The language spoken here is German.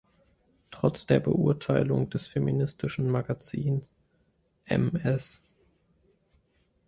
Trotz der Beurteilung des feministischen Magazins "Ms.